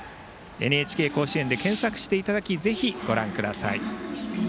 「ＮＨＫ甲子園」で検索していただきどうぞご覧ください。